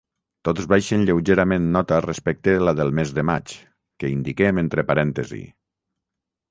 Tots baixen lleugerament nota respecte la del mes de maig, que indiquem entre parèntesi.